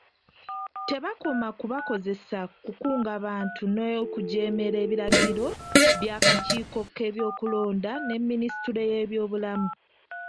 Tebakoma kubakozesa kukunga bantu n'okujeemera ebiragiro bya kakiiko k'ebyokulonda ne Minisitule y'ebyobulamu.